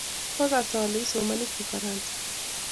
koagas ale isomoni kifaransa